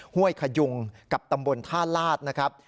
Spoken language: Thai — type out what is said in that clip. ห้วยขยุงกับตำบลท่าลาศนะครับ